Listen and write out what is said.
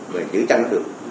và giữ tranh nó được